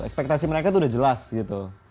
ekspektasi mereka tuh udah jelas gitu